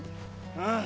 ああ！